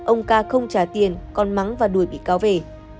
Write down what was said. ông ca không trả tiền còn mắng và đuổi bị cáo về